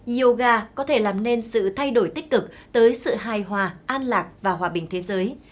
yoga có thể làm nên sự thay đổi tích cực tới sự hài hòa an lạc và hòa bình thế giới